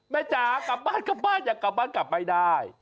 จ๋ากลับบ้านกลับบ้านอยากกลับบ้านกลับไม่ได้